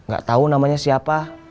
gak tahu namanya siapa